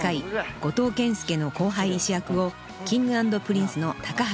五島健助の後輩医師役をＫｉｎｇ＆Ｐｒｉｎｃｅの橋海人さん］